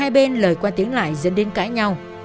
hai bên lời qua tiếng lại dẫn đến cãi nhau